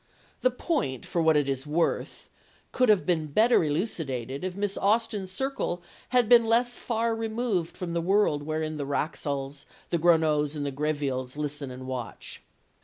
The point, for what it is worth, could have been better elucidated if Miss Austen's circle had been less far removed from the world wherein the Wraxalls, the Gronows and the Grevilles listen and watch.